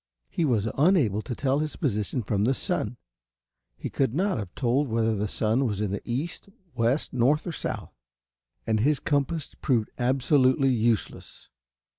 He was unable to tell his position from the sun. He could not have told whether the sun was in the East, West, North or South, and his compass proved absolutely useless.